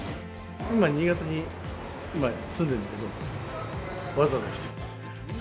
今、新潟に、今住んでるんだけど、わざわざ来た。